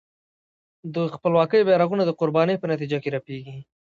د خپلواکۍ بېرغونه د قربانۍ په نتیجه کې رپېږي.